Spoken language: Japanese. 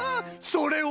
それは。